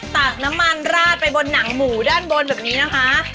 ตากน้ำมันราดไปบนหนังหมูด้านบนแบบนี้นะคะ